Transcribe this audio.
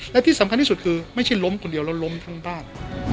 และที่สำคัญที่สุดคือไม่ใช่ล้มคนเดียวแล้วล้มทั้งบ้าน